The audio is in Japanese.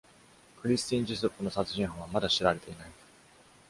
クリスティーン・ジェソップの殺人犯はまだ知られていない。